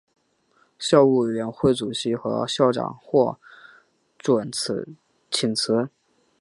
校务委员会主席和校长获准请辞。